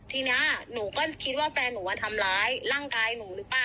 ทีนี้หนูก็คิดว่าแฟนหนูมาทำร้ายร่างกายหนูหรือเปล่า